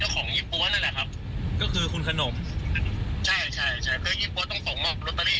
จะไปไล่บี้เอาจากคุณหญิงได้ยังไงนี่